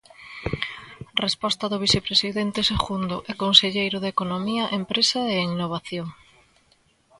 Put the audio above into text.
Reposta do vicepresidente segundo e conselleiro de Economía, Empresa e Innovación.